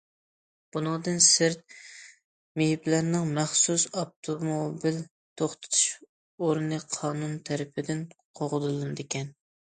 بۇنىڭدىن سىرت، مېيىپلەرنىڭ مەخسۇس ئاپتوموبىل توختىتىش ئورنى قانۇن تەرىپىدىن قوغدىلىدىكەن.